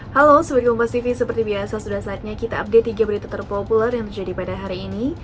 halo sebagai kompas tv seperti biasa sudah saatnya kita update tiga berita terpopuler yang terjadi pada hari ini